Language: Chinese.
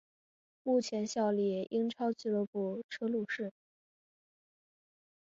目前效力英超俱乐部车路士。